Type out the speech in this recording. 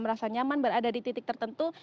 merasa nyaman berada di titik tertentu